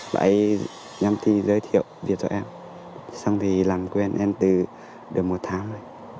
bà ấy nhắm thi giới thiệu việc cho em xong thì làm quên em từ được một tháng rồi